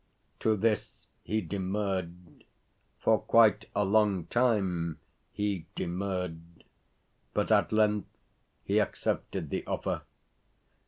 To this he demurred for quite a long time he demurred, but at length he accepted the offer.